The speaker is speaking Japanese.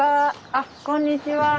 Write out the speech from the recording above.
あっこんにちは。